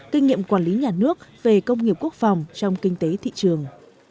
kinh nghiệm quản lý nhà nước về công nghiệp quốc phòng trong kinh tế thị trường